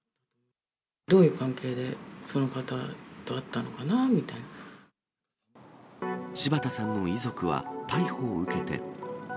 どういう関係で、柴田さんの遺族は、逮捕を受けて。